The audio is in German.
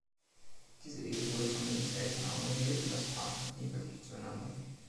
Diese Ehe wurde von Lins Eltern arrangiert und das Paar fand nie wirklich zueinander.